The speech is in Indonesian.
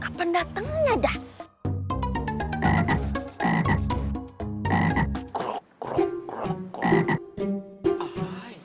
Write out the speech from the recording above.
kapan datangnya dah